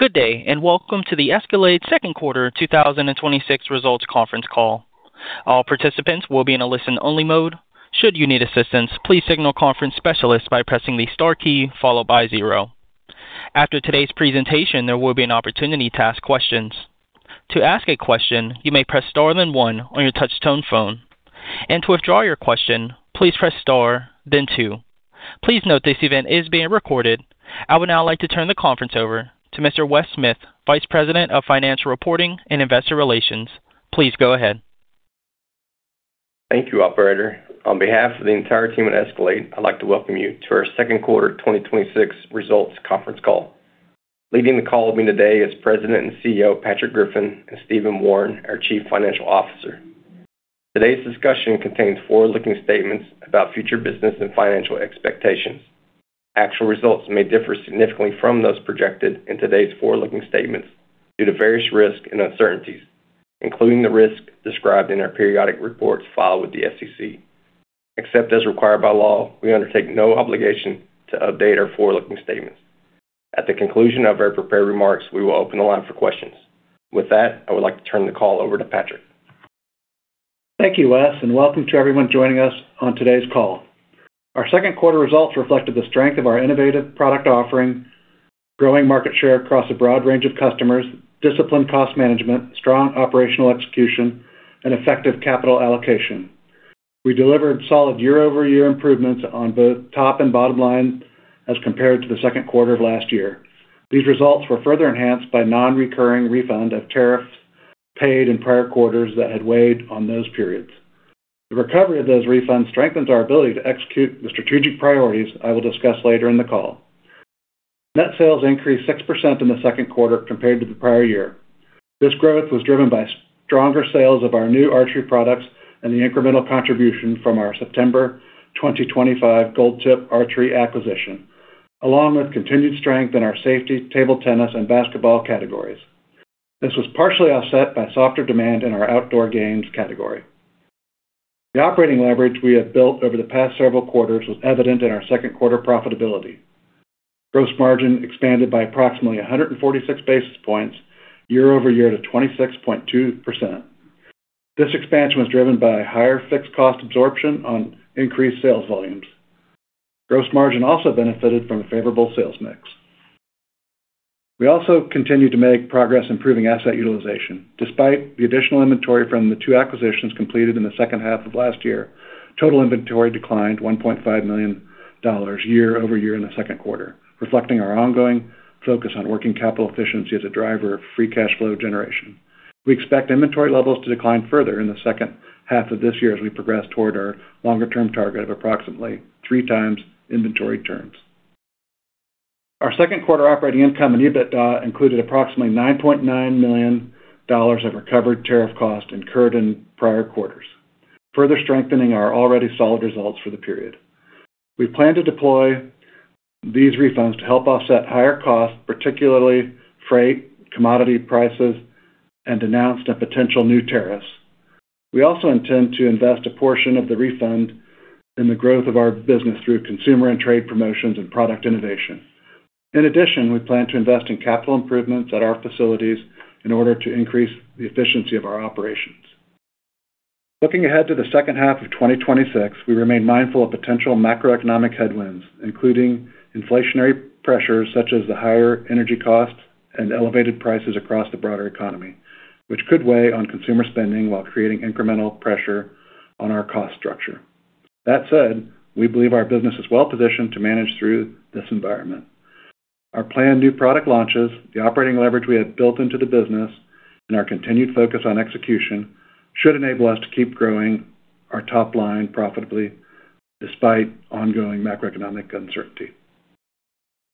Good day, and welcome to the Escalade second quarter 2026 results conference call. All participants will be in a listen-only mode. Should you need assistance, please signal conference specialist by pressing the star key followed by zero. After today's presentation, there will be an opportunity to ask questions. To ask a question, you may press star then one on your touch tone phone. To withdraw your question, please press star then two. Please note this event is being recorded. I would now like to turn the conference over to Mr. Wes Smith, Vice President of Financial Reporting and Investor Relations. Please go ahead. Thank you, operator. On behalf of the entire team at Escalade, I'd like to welcome you to our second quarter 2026 results conference call. Leading the call with me today is President and CEO, Patrick Griffin, and Stephen Wawrin, our Chief Financial Officer. Today's discussion contains forward-looking statements about future business and financial expectations. Actual results may differ significantly from those projected in today's forward-looking statements due to various risks and uncertainties, including the risks described in our periodic reports filed with the SEC. Except as required by law, we undertake no obligation to update our forward-looking statements. At the conclusion of our prepared remarks, we will open the line for questions. With that, I would like to turn the call over to Patrick. Thank you, Wes, and welcome to everyone joining us on today's call. Our second quarter results reflected the strength of our innovative product offering, growing market share across a broad range of customers, disciplined cost management, strong operational execution, and effective capital allocation. We delivered solid year-over-year improvements on both top and bottom line as compared to the second quarter of last year. These results were further enhanced by non-recurring refund of tariffs paid in prior quarters that had weighed on those periods. The recovery of those refunds strengthens our ability to execute the strategic priorities I will discuss later in the call. Net sales increased 6% in the second quarter compared to the prior year. This growth was driven by stronger sales of our new archery products and the incremental contribution from our September 2025 Gold Tip archery acquisition, along with continued strength in our safety, table tennis, and basketball categories. This was partially offset by softer demand in our outdoor games category. The operating leverage we have built over the past several quarters was evident in our second quarter profitability. Gross margin expanded by approximately 146 basis points year-over-year to 26.2%. This expansion was driven by higher fixed cost absorption on increased sales volumes. Gross margin also benefited from a favorable sales mix. We also continued to make progress improving asset utilization. Despite the additional inventory from the two acquisitions completed in the second half of last year, total inventory declined $1.5 million year-over-year in the second quarter, reflecting our ongoing focus on working capital efficiency as a driver of free cash flow generation. We expect inventory levels to decline further in the second half of this year as we progress toward our longer-term target of approximately three times inventory turns. Our second quarter operating income and EBITDA included approximately $9.9 million of recovered tariff cost incurred in prior quarters, further strengthening our already solid results for the period. We plan to deploy these refunds to help offset higher costs, particularly freight, commodity prices, and announced and potential new tariffs. We also intend to invest a portion of the refund in the growth of our business through consumer and trade promotions and product innovation. We plan to invest in capital improvements at our facilities in order to increase the efficiency of our operations. Looking ahead to the second half of 2026, we remain mindful of potential macroeconomic headwinds, including inflationary pressures such as the higher energy costs and elevated prices across the broader economy, which could weigh on consumer spending while creating incremental pressure on our cost structure. That said, we believe our business is well-positioned to manage through this environment. Our planned new product launches, the operating leverage we have built into the business, and our continued focus on execution should enable us to keep growing our top line profitably despite ongoing macroeconomic uncertainty.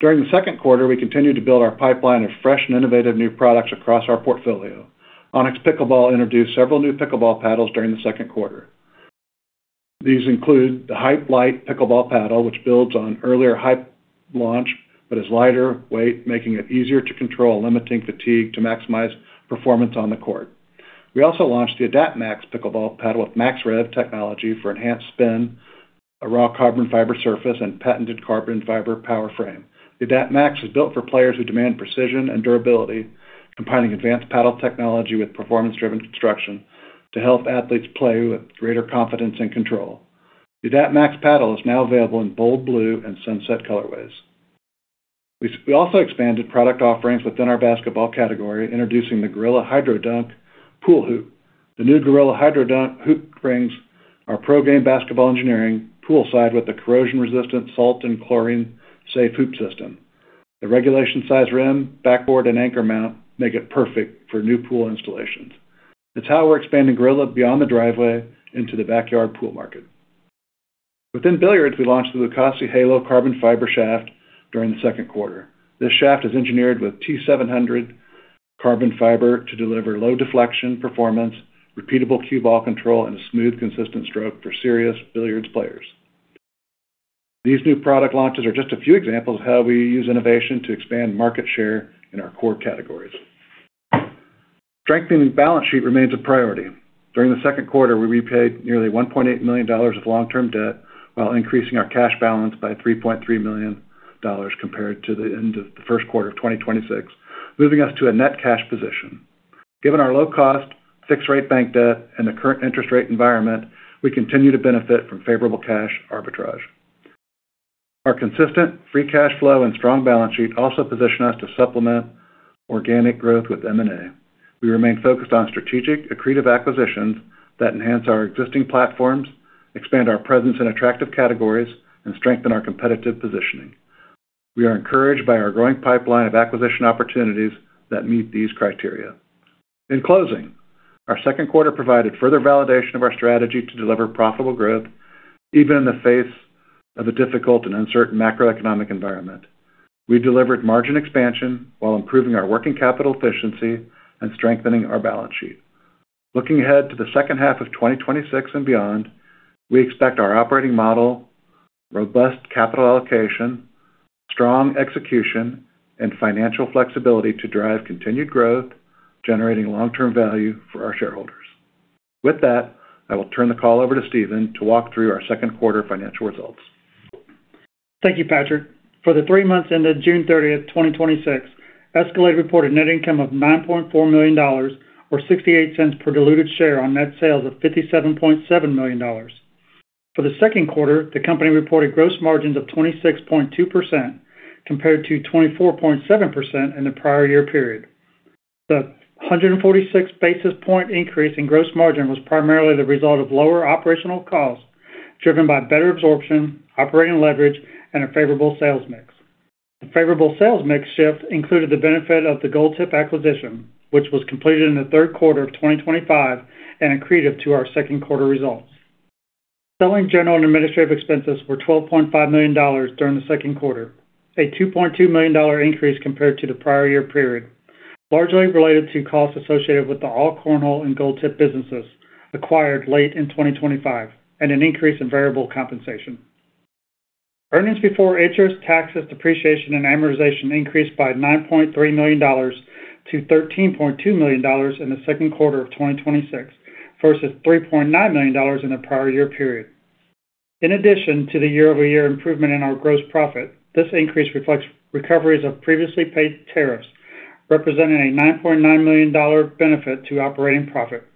During the second quarter, we continued to build our pipeline of fresh and innovative new products across our portfolio. ONIX Pickleball introduced several new pickleball paddles during the second quarter. These include the Hype Lite pickleball paddle, which builds on earlier Hype launch, but is lighter weight, making it easier to control, limiting fatigue to maximize performance on the court. We also launched the Adapt MAX pickleball paddle with MAXRev technology for enhanced spin, a raw carbon fiber surface, and patented carbon fiber power frame. The Adapt MAX is built for players who demand precision and durability, combining advanced paddle technology with performance-driven construction to help athletes play with greater confidence and control. The Adapt MAX paddle is now available in bold blue and sunset colorways. We also expanded product offerings within our basketball category, introducing the Goalrilla Hydro Dunk pool hoop. The new Goalrilla Hydro Dunk hoop brings our pro game basketball engineering poolside with a corrosion-resistant salt and chlorine-safe hoop system. The regulation size rim, backboard, and anchor mount make it perfect for new pool installations. It's how we're expanding Goalrilla beyond the driveway into the backyard pool market. Within billiards, we launched the Lucasi Halo carbon fiber shaft during the second quarter. This shaft is engineered with T700 carbon fiber to deliver low deflection performance, repeatable cue ball control, and a smooth, consistent stroke for serious billiards players. These new product launches are just a few examples of how we use innovation to expand market share in our core categories. Strengthening the balance sheet remains a priority. During the second quarter, we repaid nearly $1.8 million of long-term debt while increasing our cash balance by $3.3 million compared to the end of the first quarter of 2026, moving us to a net cash position. Given our low cost, fixed rate bank debt, and the current interest rate environment, we continue to benefit from favorable cash arbitrage. Our consistent free cash flow and strong balance sheet also position us to supplement organic growth with M&A. We remain focused on strategic, accretive acquisitions that enhance our existing platforms, expand our presence in attractive categories, and strengthen our competitive positioning. We are encouraged by our growing pipeline of acquisition opportunities that meet these criteria. In closing, our second quarter provided further validation of our strategy to deliver profitable growth, even in the face of a difficult and uncertain macroeconomic environment. We delivered margin expansion while improving our working capital efficiency and strengthening our balance sheet. Looking ahead to the second half of 2026 and beyond, we expect our operating model, robust capital allocation, strong execution, and financial flexibility to drive continued growth, generating long-term value for our shareholders. With that, I will turn the call over to Stephen to walk through our second quarter financial results. Thank you, Patrick. For the three months ended June 30th, 2026, Escalade reported net income of $9.4 million, or $0.68 per diluted share on net sales of $57.7 million. For the second quarter, the company reported gross margins of 26.2% compared to 24.7% in the prior year period. The 146 basis point increase in gross margin was primarily the result of lower operational costs, driven by better absorption, operating leverage, and a favorable sales mix. The favorable sales mix shift included the benefit of the Gold Tip acquisition, which was completed in the third quarter of 2025 and accretive to our second quarter results. Selling, general, and administrative expenses were $12.5 million during the second quarter, a $2.2 million increase compared to the prior year period, largely related to costs associated with the All-Cornhole and Gold Tip businesses acquired late in 2025 and an increase in variable compensation. Earnings before interest, taxes, depreciation, and amortization increased by $9.3 million to $13.2 million in the second quarter of 2026 versus $3.9 million in the prior year period. In addition to the year-over-year improvement in our gross profit, this increase reflects recoveries of previously paid tariffs, representing a $9.9 million benefit to operating profit.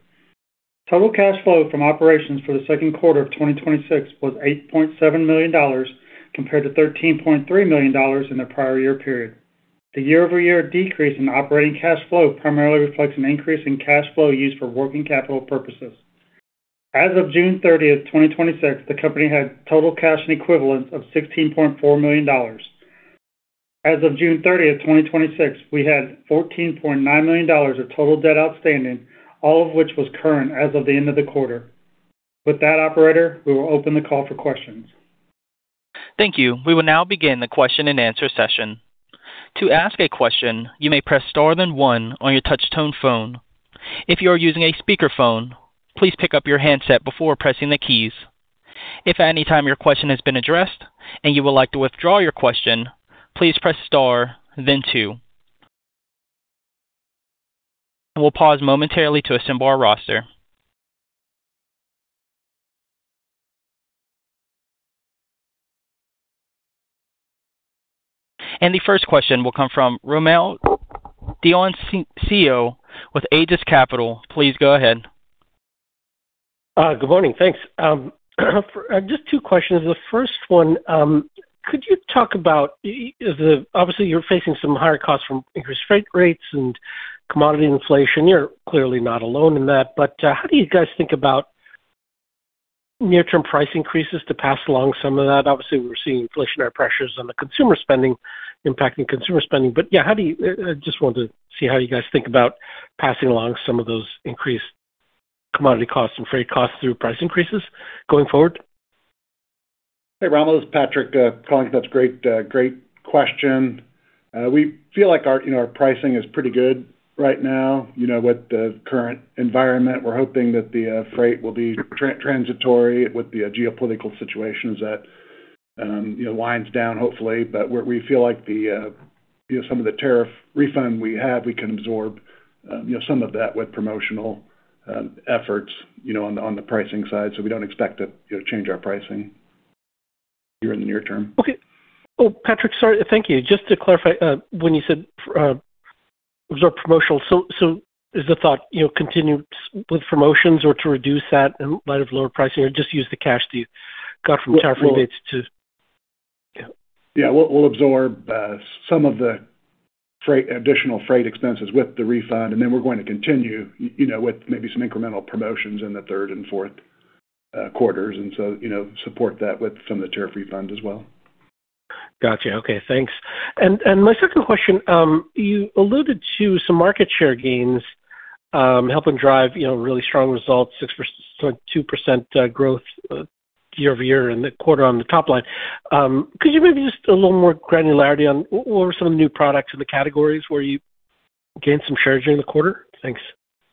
Total cash flow from operations for the second quarter of 2026 was $8.7 million, compared to $13.3 million in the prior year period. The year-over-year decrease in operating cash flow primarily reflects an increase in cash flow used for working capital purposes. As of June 30th, 2026, the company had total cash and equivalents of $16.4 million. As of June 30th, 2026, we had $14.9 million of total debt outstanding, all of which was current as of the end of the quarter. With that, operator, we will open the call for questions. Thank you. We will now begin the question and answer session. To ask a question, you may press star then one on your touch tone phone. If you are using a speakerphone, please pick up your handset before pressing the keys. If at any time your question has been addressed and you would like to withdraw your question, please press star then two. We'll pause momentarily to assemble our roster. The first question will come from Rommel Dionisio with Aegis Capital. Please go ahead. Good morning. Thanks. Just two questions. The first one, could you talk about, obviously you're facing some higher costs from increased freight rates and commodity inflation. You're clearly not alone in that, how do you guys think about near-term price increases to pass along some of that? Obviously, we're seeing inflationary pressures on the consumer spending impacting consumer spending. I just wanted to see how you guys think about passing along some of those increased commodity costs and freight costs through price increases going forward. Hey, Rommel, this is Patrick calling. That's a great question. We feel like our pricing is pretty good right now. With the current environment, we're hoping that the freight will be transitory with the geopolitical situations that winds down, hopefully. We feel like some of the tariff refund we have, we can absorb some of that with promotional efforts on the pricing side. We don't expect to change our pricing here in the near term. Okay. Patrick, sorry. Thank you. Just to clarify, when you said absorb promotional, is the thought continue with promotions or to reduce that in light of lower pricing, or just use the cash that you got from tariff rebates to? We'll absorb some of the additional freight expenses with the refund, and then we're going to continue with maybe some incremental promotions in the third and fourth quarters, and so support that with some of the tariff refund as well. Got you. Okay, thanks. My second question, you alluded to some market share gains helping drive really strong results, 6% growth year-over-year in the quarter on the top line. Could you maybe just a little more granularity on what were some of the new products or the categories where you gained some shares during the quarter? Thanks.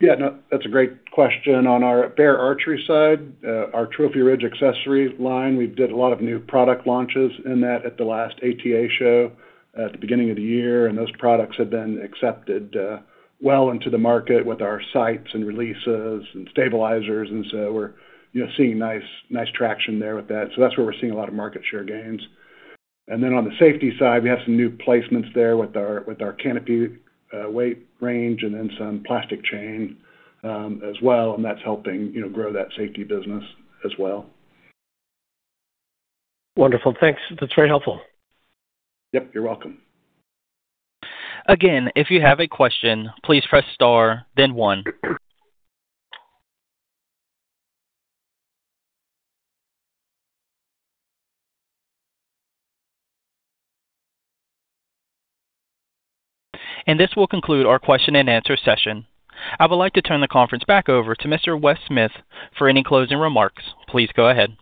Yeah, no, that's a great question. On our Bear Archery side, our Trophy Ridge accessories line, we did a lot of new product launches in that at the last ATA show at the beginning of the year. Those products have been accepted well into the market with our sights and releases and stabilizers. We're seeing nice traction there with that. That's where we're seeing a lot of market share gains. On the safety side, we have some new placements there with our canopy weight range and then some plastic chain as well, and that's helping grow that safety business as well. Wonderful. Thanks. That's very helpful. Yep, you're welcome. If you have a question, please press star then one. This will conclude our question and answer session. I would like to turn the conference back over to Mr. Wes Smith for any closing remarks. Please go ahead.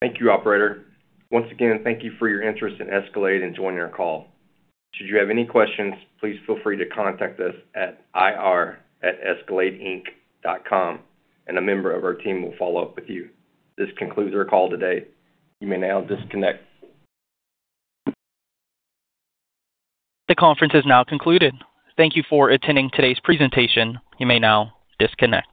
Thank you, operator. Once again, thank you for your interest in Escalade and joining our call. Should you have any questions, please feel free to contact us at ir@escaladeinc.com and a member of our team will follow up with you. This concludes our call today. You may now disconnect. The conference is now concluded. Thank you for attending today's presentation. You may now disconnect.